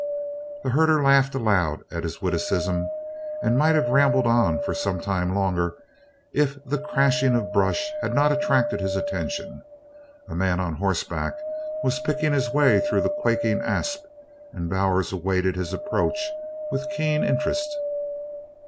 The herder laughed aloud at his witticism and might have rambled on for some time longer if the crashing of brush had not attracted his attention. A man on horseback was picking his way through the quaking asp and Bowers awaited his approach with keen interest.